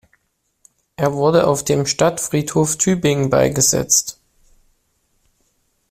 Er wurde auf dem Stadtfriedhof Tübingen beigesetzt.